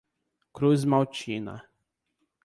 Cruzmaltina